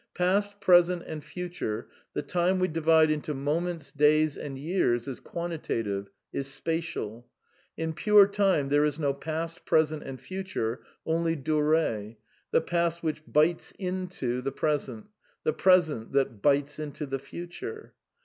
Fast, present, and future, the time we divide into moments, days and years, ifljT, iflntitatjve ^i8 spa tial. In pure Time there is no past, present and^uture, only duree, the past which " bites into " (qui mord sur) the present^ the present that bites into the future.